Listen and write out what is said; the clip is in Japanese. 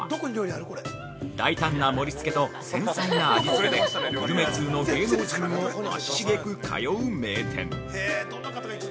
大胆な盛り付けと繊細な味付けでグルメ通の芸能人も足しげく通う名店。